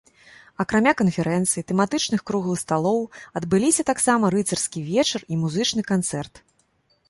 Акрамя канферэнцыі, тэматычных круглых сталоў адбыліся таксама рыцарскі вечар і музычны канцэрт.